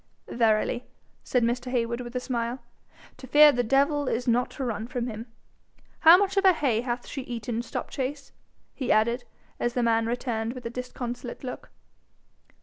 'Verily,' said Mr. Heywood with a smile, 'to fear the devil is not to run from him! How much of her hay hath she eaten, Stopchase?' he added, as the man returned with disconsolate look.